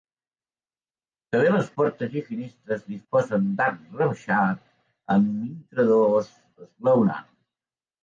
També les portes i finestres disposen d'arc rebaixat amb intradós esglaonat.